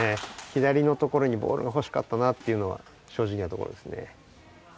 左のところにボールがほしかったなっていうのは正直なところですね。